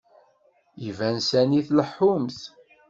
Iban sani tleḥḥumt.